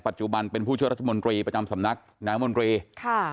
ปัจจุบันเป็นผู้ช่วยรัฐมนตรีประจำสำนักนายมนตรีค่ะ